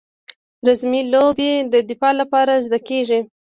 رزمي لوبې د دفاع لپاره زده کیږي.